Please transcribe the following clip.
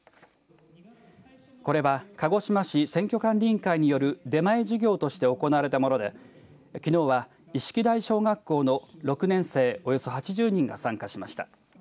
これは鹿児島市選挙管理委員会による出前授業として行われたもので、きのうは伊敷台小学校の６年生およそ８０人が参加しました。